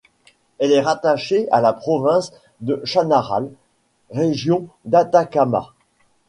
Elle est rattachée à la province de Chañaral, région d'Atacama.